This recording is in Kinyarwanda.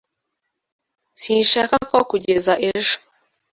Sinshaka ko kugeza ejo.